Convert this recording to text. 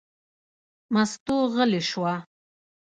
مستو غلې شوه.